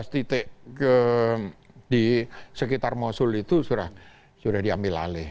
tiga belas titik di sekitar mosul itu sudah diambil alih